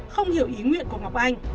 không hiểu ý nguyện của ngọc anh